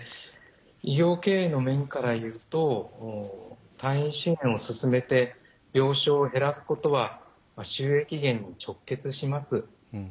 医療経営の面からいうと退院支援を進めて病床を減らすことは収益減に直結します。